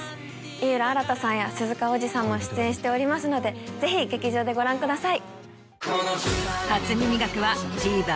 井浦新さんや鈴鹿央士さんも出演しておりますのでぜひ劇場でご覧ください。